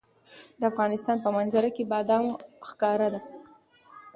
د افغانستان په منظره کې بادام ښکاره ده.